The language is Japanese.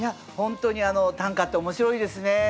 本当に短歌って面白いですね。